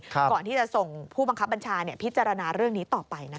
ก่อนที่จะส่งผู้บังคับบัญชาพิจารณาเรื่องนี้ต่อไปนะคะ